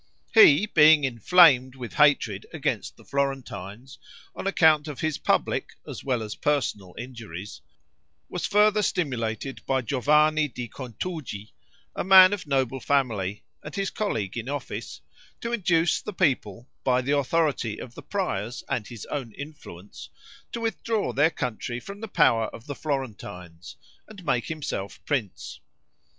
He, being inflamed with hatred against the Florentines on account of his public as well as personal injuries, was further stimulated by Giovanni di Contugi, a man of noble family, and his colleague in office, to induce the people, by the authority of the Priors and his own influence, to withdraw their country from the power of the Florentines, and make himself prince.